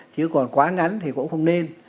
chứ còn quá ngắn thì cũng không nên